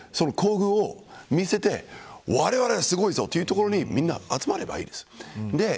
行動を見せてわれわれは、すごいぞというところにみんな集まればいいです。